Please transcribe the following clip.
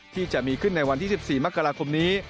ที่จะมีขึ้นในวันที่๑๔มกราคมนี้